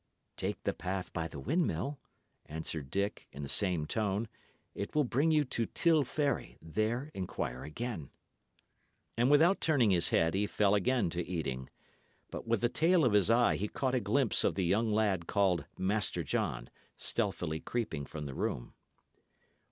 "Take the path by the windmill," answered Dick, in the same tone; "it will bring you to Till Ferry; there inquire again." And without turning his head, he fell again to eating. But with the tail of his eye he caught a glimpse of the young lad called Master John stealthily creeping from the room.